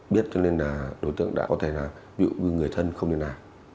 biết cho nên là đối tượng đã có thể là ví dụ như người thân không liên lạc